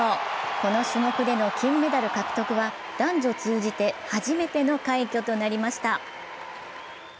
この種目での金メダル獲得は男女通じて初めての快挙となりました。